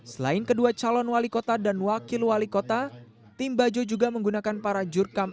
selain kedua calon wali kota dan wakil wali kota tim bajo juga menggunakan para jurkam